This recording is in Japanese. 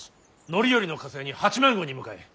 範頼の加勢に八幡宮に向かえ。